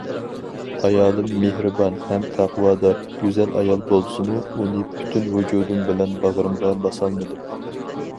ئايالىم مېھرىبان ھەم تەقۋادار، گۈزەل ئايال بولسىمۇ، ئۇنى پۈتۈن ۋۇجۇدۇم بىلەن باغرىمغا باسالمىدىم.